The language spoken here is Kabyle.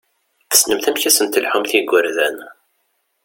Tessnemt amek ad sen-telḥumt i yigurdan!